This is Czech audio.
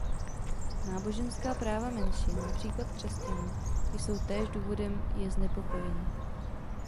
Náboženská práva menšin, například křesťanů, jsou též důvodem je znepokojení.